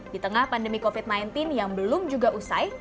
di tengah pandemi covid sembilan belas yang belum juga usai